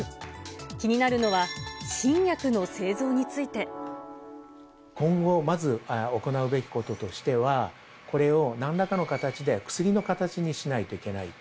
気になるのは、今後まず行うべきこととしては、これをなんらかの形で薬の形にしないといけないと。